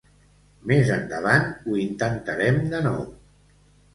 Més endavant ho intentarem de nou.